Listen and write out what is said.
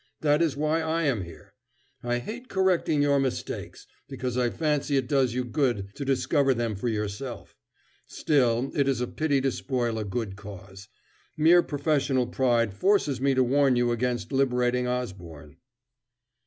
"That is why I am here. I hate correcting your mistakes, because I fancy it does you good to discover them for yourself. Still, it is a pity to spoil a good cause. Mere professional pride forces me to warn you against liberating Osborne."